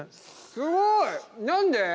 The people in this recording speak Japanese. すごい！何で？